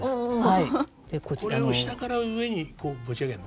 これを下から上に持ち上げるの？